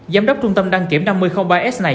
giám đốc trung tâm đăng kiểm năm mươi ba s này